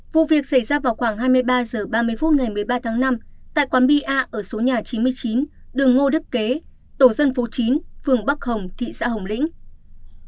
vụ việc xảy ra vào khoảng hai mươi ba h ba mươi phút ngày một mươi ba tháng năm tại quán bia a ở số nhà chín mươi chín đường ngô đức kế tổ dân phố chín phường bắc hồng thị xã hồng lĩnh